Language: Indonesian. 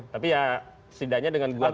tapi ya setidaknya dengan gua